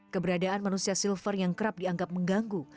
keberadaan manusia silver yang kerap dianggap mengganggu